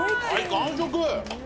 完食。